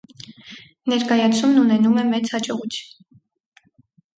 Ներկայացումն ունենում է մեծ հաջողություն։